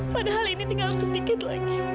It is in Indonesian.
padahal ini tinggal sedikit lagi